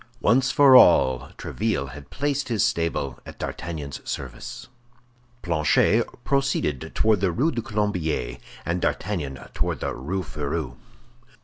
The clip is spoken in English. Once for all, Tréville had placed his stable at D'Artagnan's service. Planchet proceeded toward the Rue du Colombier, and D'Artagnan toward the Rue Férou.